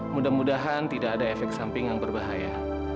mudah mudahan tidak ada efek samping yang berbahaya